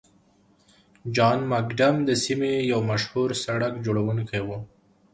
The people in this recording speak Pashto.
جان مکډم د سیمې یو مشهور سړک جوړونکی و.